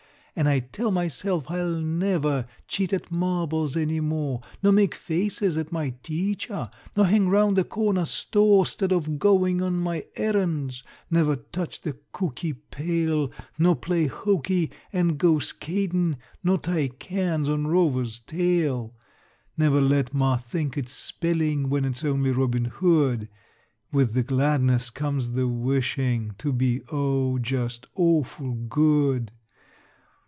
An' I tell myself I'll never Cheat at marbles any more, Nor make faces at my teacher, Nor hang round the corner store 'Stead of goin' on my errands; Never touch the cookie pail, Nor play hooky an' go skatin', Nor tie cans on Rover's tail; Never let ma think it's spellings When it's only Robin Hood. With the gladness comes the wishin' To be, oh, just awful good!